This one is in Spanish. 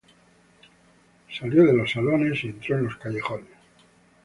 Salió de los salones y entró en los callejones.